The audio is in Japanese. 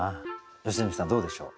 良純さんどうでしょう？